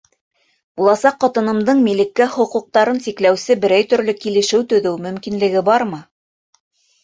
Буласаҡ ҡатынымдың милеккә хоҡуҡтарын сикләүсе берәй төрлө килешеү төҙөү мөмкинлеге бармы?